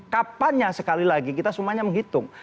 kapannya sekali lagi kita semuanya menghitung